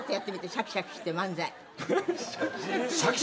シャキシャキして漫才？